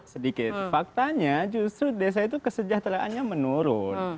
sedikit faktanya justru desa itu kesejahteraannya menurun